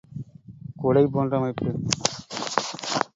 குடை போன்ற அமைப்பு.